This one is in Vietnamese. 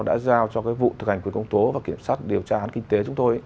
đã giao cho cái vụ thực hành quyền công tố và kiểm sát điều tra án kinh tế chúng tôi